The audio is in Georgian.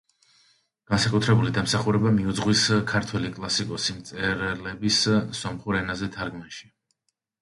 განსაკუთრებული დამსახურება მიუძღვის ქართველი კლასიკოსი მწერლების სომხურ ენაზე თარგმანში.